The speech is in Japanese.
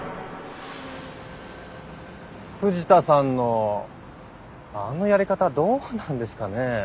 藤田さんのあのやり方はどうなんですかねえ。